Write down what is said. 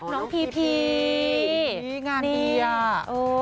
น้องพีนี่งานดีอ่ะน้องพี